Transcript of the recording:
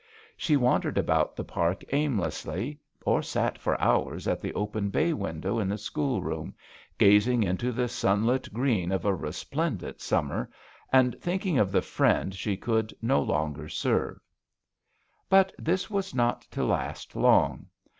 She wandered about the park aimlessly, or sat for hours at the open bay window in the schoolroom gazing into the sunlit green of a resplendent summer, and thinking of the friend she could no longer serve. But this was not to last long.